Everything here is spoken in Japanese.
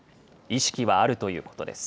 意識はあるということです。